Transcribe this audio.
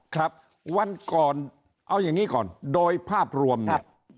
ครับวันก่อนเอาอย่างนี้ก่อนโดยภาพรวมเนี่ย